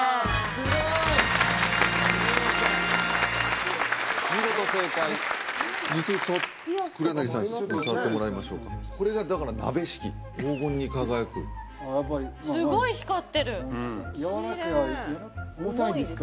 すごい見事正解実物を黒柳さんにちょっと触ってもらいましょうかこれがだから鍋敷き黄金に輝くすごい光ってるきれい重たいんですか？